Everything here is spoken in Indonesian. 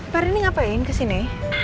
pak rini ngapain kesini